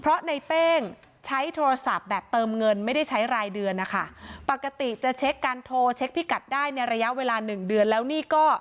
เพราะในเป้งใช้โทรศัพท์แบบเติมเงินไม่ได้ใช้รายเดือนนะคะปกติจะเช็คการโทรเช็คพิกัดได้ในระยะเวลาหนึ่งเดือนแล้วนี่ก็